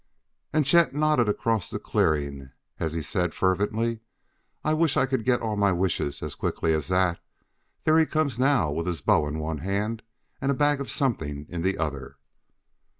And Chet nodded across the clearing as he said fervently: "I wish I could get all my wishes as quickly as that. There he comes now with his bow in one hand and a bag of something in the other."